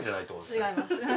違います。